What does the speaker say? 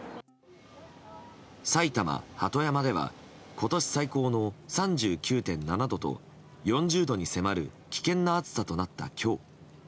埼玉・鳩山では今年最高の３９．７度と４０度に迫る危険な暑さとなった今日。